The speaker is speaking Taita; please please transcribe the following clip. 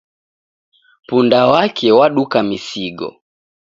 Punda wake waduka misigo